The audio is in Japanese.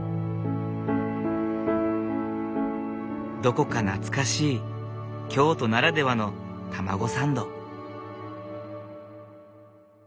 どこか懐かしい京都ならではのたまごサンド。